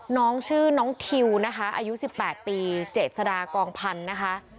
น้องชื่อน้องทิวนะคะอายุ๑๘ปีเจษฎากองพันธุ์นะคะ